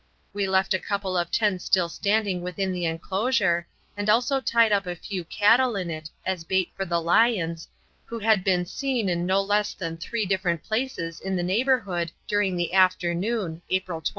We left a couple of tents still standing within the enclosure, and also tied up a few cattle in it as bait for the lions, who had been seen in no less than three different places in the neighbourhood during the afternoon (April 23).